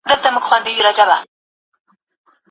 هغوی چي کتاب نه لولي تل په تياره کي وي.